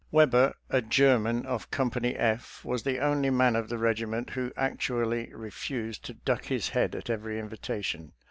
Webber, a German of Company F, was the only man of the regiment who actually refused to duck his head at every invitation.